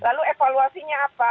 lalu evaluasinya apa